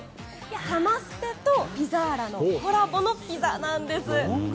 サマステとピザーラのコラボのピザなんです。